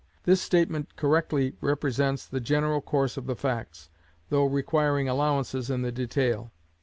This statement correctly represents the general course of the facts, though requiring allowances in the detail.